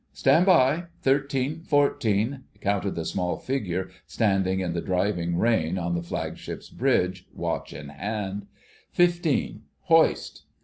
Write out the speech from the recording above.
"Stand by—thirteen, fourteen..." counted the small figure standing in the driving rain on the flagship's bridge, watch in hand: "fifteen, Hoist!"